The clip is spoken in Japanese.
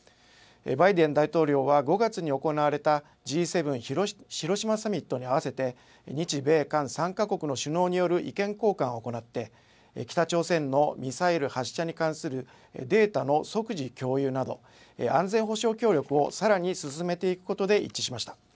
バイデン大統領は５月に行われたＧ７広島サミットに合わせて日米韓３か国の首脳による意見交換を行って北朝鮮のミサイル発射に関するデータの即時共有など安全保障協力をさらに進めていくことで一致しました。